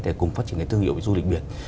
để cùng phát triển cái thương hiệu du lịch biển